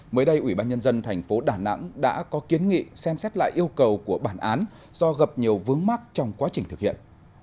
mới đây ủy ban nhân dân thành phố đà nẵng đã có kiến nghị xem xét lại yêu cầu của bản án do gặp nhiều vướng mắt trong quá trình thực hiện